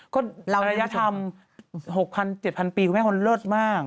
ก็ระยะธรรม๖๐๐๐๗๐๐๐ปีคุณแม่คนเลิศมาก